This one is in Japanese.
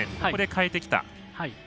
ここで変えてきた。